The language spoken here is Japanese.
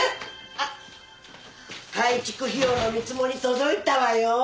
あっ改築費用の見積もり届いたわよ。